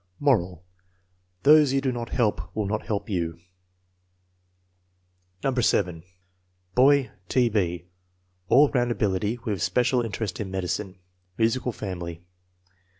Moral: Those you do not help will not help you. No. 7. Boy: T. B. All round ability, with special interest in medicine. Musical family.